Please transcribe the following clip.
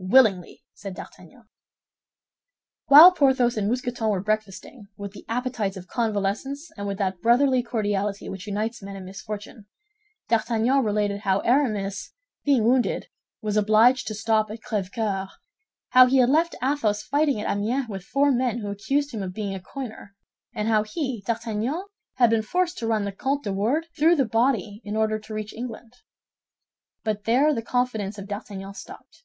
"Willingly," said D'Artagnan. While Porthos and Mousqueton were breakfasting, with the appetites of convalescents and with that brotherly cordiality which unites men in misfortune, D'Artagnan related how Aramis, being wounded, was obliged to stop at Crèvecœur, how he had left Athos fighting at Amiens with four men who accused him of being a coiner, and how he, D'Artagnan, had been forced to run the Comtes de Wardes through the body in order to reach England. But there the confidence of D'Artagnan stopped.